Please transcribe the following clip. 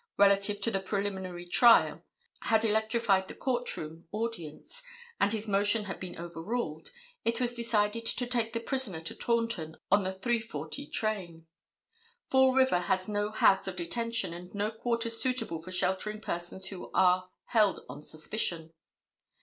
relative to the preliminary trial had electrified the court room audience, and his motion had been overruled, it was decided to take the prisoner to Taunton on the 3:40 train. Fall River has no house of detention and no quarters suitable for sheltering persons who are held on suspicion.